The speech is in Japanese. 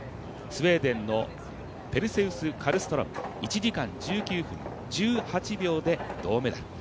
スウェーデンのペルセウス・カルストローム１時間１９分１８秒で銅メダル。